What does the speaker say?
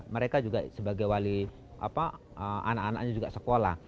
mereka juga sebagai wali anak anaknya juga sekolah